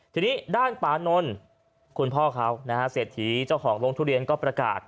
ทีนี้ด้านปานนท์คุณพ่อเขานะฮะเศรษฐีเจ้าของโรงทุเรียนก็ประกาศ